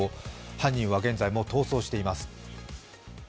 犯人は現在も逃走しています。